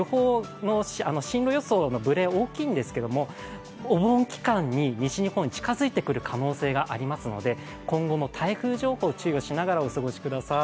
進路予想のぶれは大きいんですけどもお盆期間に西日本近づいてくる可能性がありますので今後の台風情報に注意しながらお過ごしください。